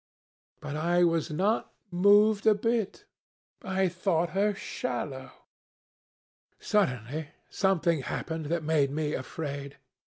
But I was not moved a bit. I thought her shallow. Suddenly something happened that made me afraid.